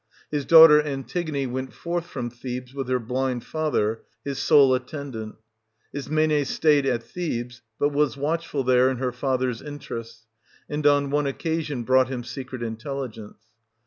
His daughter Antigone went forth from Thebes with her blind father^ his sole attendant : Ismene stayed at Thebes^ but was watchful there in her father^ s interests, and on one occasion brought him secret intelligence.